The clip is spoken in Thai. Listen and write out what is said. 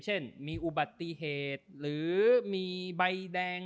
เช่นมีอุบัติเหตุหรือมีใบแดง